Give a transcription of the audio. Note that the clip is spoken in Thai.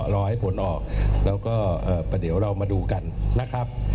รอให้ผลออกแล้วก็เดี๋ยวเรามาดูกันนะครับ